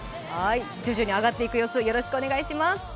徐々に上がっていく様子をお願いします。